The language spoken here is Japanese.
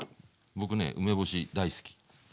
僕ね梅干し大好き。